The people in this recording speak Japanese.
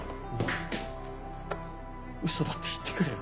ウソだって言ってくれよ。